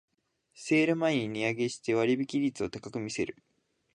セール前に値上げして割引率を高く見せる